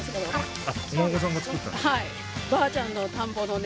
「ばあちゃんの田んぼのね